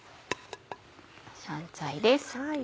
香菜です。